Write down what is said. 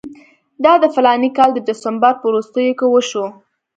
دا د فلاني کال د ډسمبر په وروستیو کې وشو.